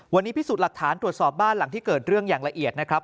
วันนี้พิสูจน์หลักฐานตรวจสอบบ้านหลังที่เกิดเรื่องอย่างละเอียดนะครับ